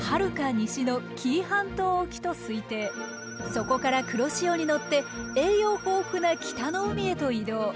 そこから黒潮に乗って栄養豊富な北の海へと移動。